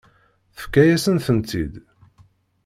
Tefka-yasen-tent-id.